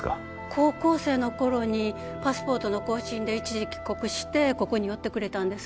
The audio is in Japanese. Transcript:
高校生の頃にパスポートの更新で一時帰国してここに寄ってくれたんです